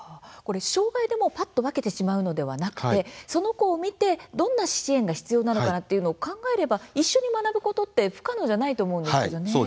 障害でぱっと分けてしまうのではなくてその子を見てどんな支援が必要なのかなっていうのを考れば一緒に学ぶことって不可能じゃないと思うんですけどね。